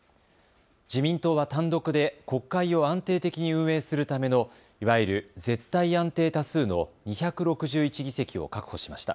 自民党は単独で国会を安定的に運営するためのいわゆる絶対安定多数の２６１議席を確保しました。